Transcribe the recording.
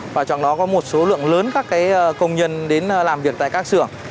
và trong đó có một số lượng lớn các công nhân đến làm việc tại các xưởng